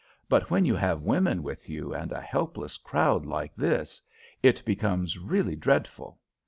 But when you have women with you, and a helpless crowd like this, it becomes really dreadful.